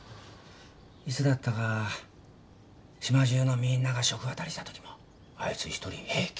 いつだったか島中のみんなが食あたりしたときもあいつ一人平気。